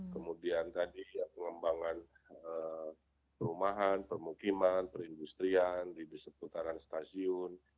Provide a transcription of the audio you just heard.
kemudian tadi pengembangan perumahan permukiman perindustrian di seputaran stasiun